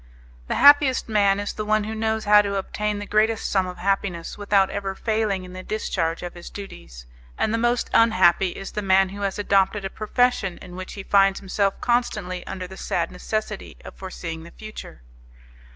The happiest man is the one who knows how to obtain the greatest sum of happiness without ever failing in the discharge of his duties, and the most unhappy is the man who has adopted a profession in which he finds himself constantly under the sad necessity of foreseeing the future.